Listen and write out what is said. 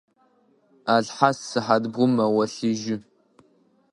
Алхъас сыхьат бгъум мэгъолъыжьы.